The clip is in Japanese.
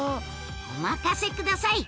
お任せください！